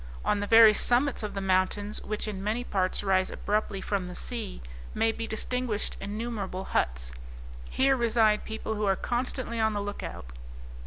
On the very summits of the mountains, which in many parts rise abruptly from the sea, may be distinguished innumerable huts; here reside people who are constantly on the lookout.